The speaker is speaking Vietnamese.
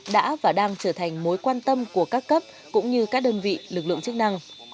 đã và đang trở thành mối quan tâm của các cấp cũng như các đơn vị lực lượng chức năng